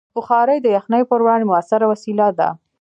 بخاري د یخنۍ پر وړاندې مؤثره وسیله ده.